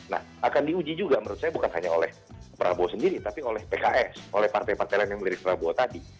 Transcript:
nah akan diuji juga menurut saya bukan hanya oleh prabowo sendiri tapi oleh pks oleh partai partai lain yang melirik prabowo tadi